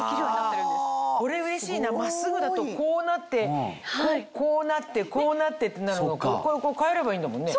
これうれしいな真っすぐだとこうなってこうなってこうなってってなるのを変えればいいんだもんね。